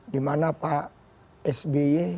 dimana pak sb